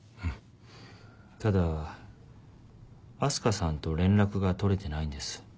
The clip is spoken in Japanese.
ただ明日香さんと連絡が取れてないんです。